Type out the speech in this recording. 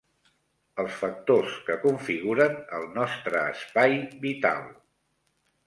Els factors que configuren el nostre espai vital.